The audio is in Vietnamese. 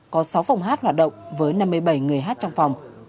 có sáu phòng hát hoạt động với năm mươi bảy người hát trong phòng